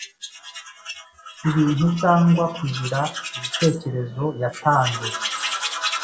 ibintu cyangwa kuzira ibitekerezo yatanze.